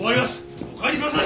お帰りください！